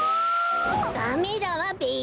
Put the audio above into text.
ダメだわべ。